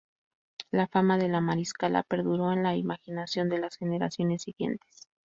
La fama de La Mariscala perduró en la imaginación de las generaciones siguientes.